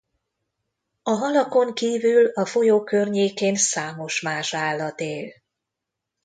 A halakon kívül a folyó környékén számos más állat él.